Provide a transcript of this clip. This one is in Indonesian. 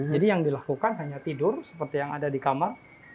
jadi yang dilakukan hanya tidur seperti yang ada di kamar